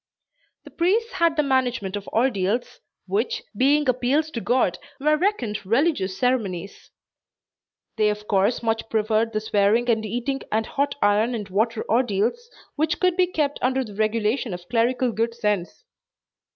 The priests had the management of ordeals, which, being appeals to God, were reckoned religious ceremonies. They of course much preferred the swearing and eating and hot iron and water ordeals, which could be kept under the regulation of clerical good sense.